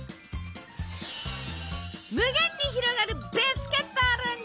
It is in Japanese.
無限に広がるビスケットアレンジ